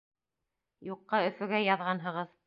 — Юҡҡа Өфөгә яҙғанһығыҙ.